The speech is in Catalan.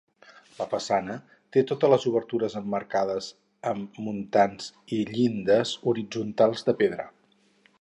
La façana té totes les obertures emmarcades amb muntants i llindes horitzontals de pedra.